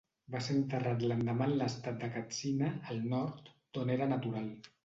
Va ser enterrat l'endemà en l'estat de Katsina, al Nord, d'on era natural.